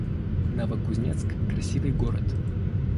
Новокузнецк — красивый город